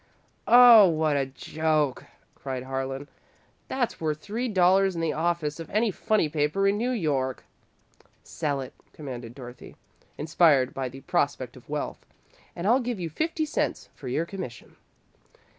"Oh, what a joke!" cried Harlan. "That's worth three dollars in the office of any funny paper in New York!" "Sell it," commanded Dorothy, inspired by the prospect of wealth, "and I'll give you fifty cents for your commission."